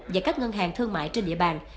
và các ngân hàng thương mại trên địa bàn